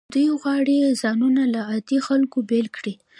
دوی غواړي ځانونه له عادي خلکو بیل کړي.